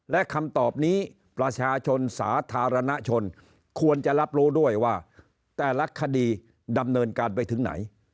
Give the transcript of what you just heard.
และคำตอบนี้ประชาชนสาธารณชนควรจะรับรู้ด้วยว่าแต่ละคดีดำเนินการไปถึงไหน